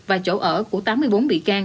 và chỗ ở của tám mươi bốn bị cang